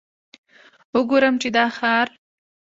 وګورم چې دا ښار.